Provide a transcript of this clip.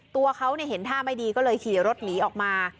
ตัวเขาเห็นท่าไม่ดีก็เลยขี่รถหนีออกมา